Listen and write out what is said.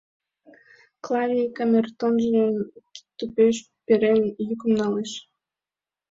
Клавий, камертонжым кидтупеш перен, йӱкым налеш.